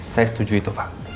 saya setuju itu pak